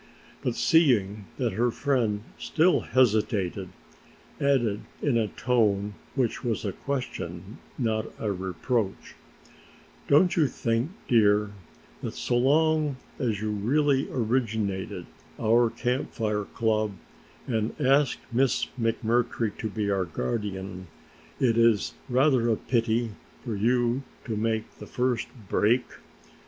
But seeing that her friend still hesitated, added in a tone which was a question, not a reproach: "Don't you think, dear, that so long as you really originated our Camp Fire club and asked Miss McMurtry to be our guardian, it is rather a pity for you to make the first break?